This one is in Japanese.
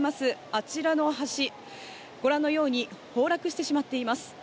あちらの橋、ご覧のように、崩落してしまっています。